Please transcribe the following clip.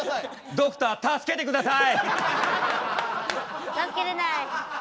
ドクター助けて下さい！